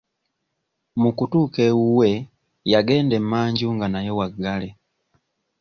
Mu kutuuka ewuwe yagenda emmanju nga nayo waggale.